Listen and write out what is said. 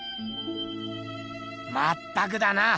まったくだな。